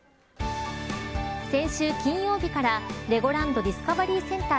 先週金曜日からレゴランド・ディスカバリー・センター